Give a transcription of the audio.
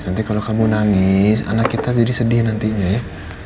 nanti kalau kamu nangis anak kita jadi sedih nantinya ya